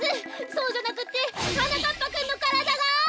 そうじゃなくって！はなかっぱくんのからだが！